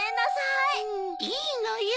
いいのよ。